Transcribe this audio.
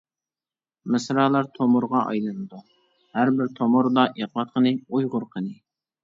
مىسرالار تومۇرغا ئايلىنىدۇ، ھەر بىر تومۇردا ئېقىۋاتقىنى ئۇيغۇر قېنى!